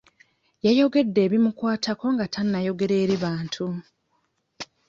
Yayogedde ebimukwatako nga tannayogerako eri abantu.